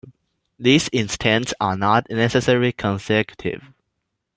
These instants are not necessarily consecutive.